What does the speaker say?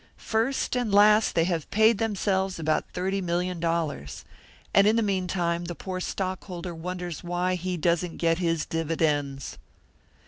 First and last they have paid themselves about thirty million dollars. And, in the meantime, the poor stockholder wonders why he doesn't get his dividends!"